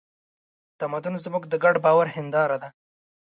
تمدن زموږ د ګډ باور هینداره ده.